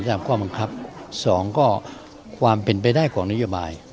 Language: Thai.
ตามข้อบังคับ๒ก็ความเป็นไปได้ของนโยบาย